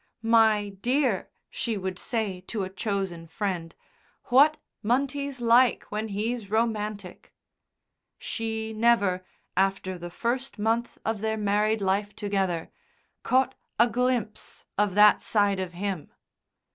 "My dear," she would say to a chosen friend, "what Munty's like when he's romantic!" She never, after the first month of their married life together, caught a glimpse of that side of him.